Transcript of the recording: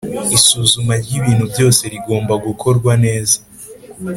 isuzuma ryibintu byose rigomba gokorwa neza